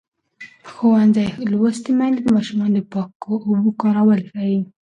ښوونځې لوستې میندې د ماشومانو د پاکو اوبو کارول ښيي.